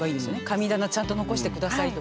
神棚ちゃんと残してくださいとか。